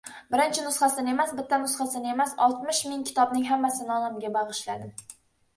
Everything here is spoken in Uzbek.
Birinchi nusxasini emas, bitta nusxasini emas, oltmish ming kitobning hammasini onamga bag‘ishladim.